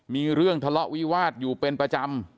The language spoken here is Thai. มีเรื่องทะเลาะวิวาสอยู่เป็นประจำ